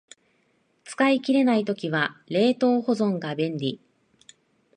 使い切れない時は冷凍保存が便利